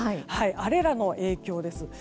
あれらの影響です。